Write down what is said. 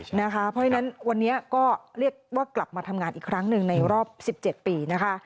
เพราะฉะนั้นวันนี้ก็เรียกว่ากลับมาทำงานอีกครั้งหนึ่งในรอบ๑๗ปีนะคะ